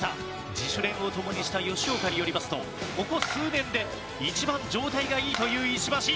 自主練をともにした吉岡によりますとここ数年で一番状態がいいという石橋。